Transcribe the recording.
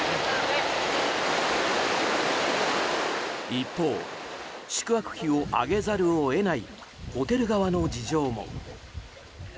一方宿泊費を上げざるを得ないホテル側の事情も。